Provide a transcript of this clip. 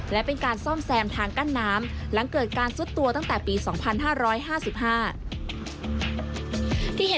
และเป็นการซ่อมแซมทางกั้นน้ำหลังเกิดการซุดตัวตั้งแต่ปี๒๕๕๕